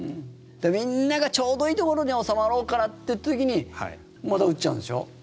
みんながちょうどいいところで収まろうかなっていう時にまた撃っちゃうんでしょ。